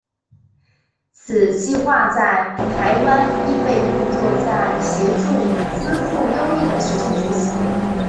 此计画在台湾亦被用在协助资赋优异的学生学习。